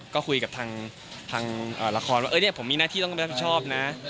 ก็คุยกับทางละครว่าผมมีหน้าที่ต้องรับผิดชอบนะ